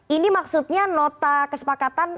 ini maksudnya nota kesepakatan